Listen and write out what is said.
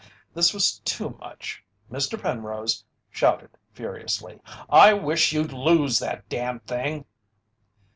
This was too much. Mr. Penrose shouted furiously: "I wish you'd lose that damned thing!"